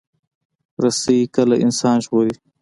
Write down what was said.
رسۍ کله انسان ژغوري.